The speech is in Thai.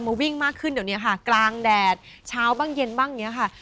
ผมวิ่งกันฟากอะไรก็ตามวัยพี่พ่อทำ